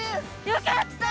よかった！